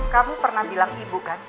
kamu pernah bilang ibu kan